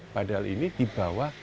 padahal ini di bawah seribu